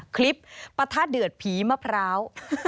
คลิปปลาทะเดือดผีมะพร้าว